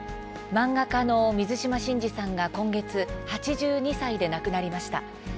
漫画家の水島新司さんが今月８２歳で亡くなりました。